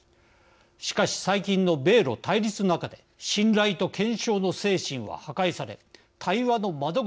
しかし最近の米ロ対立の中で信頼と検証の精神は破壊され対話の窓口は閉ざされました。